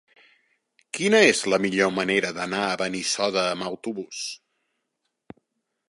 Quina és la millor manera d'anar a Benissoda amb autobús?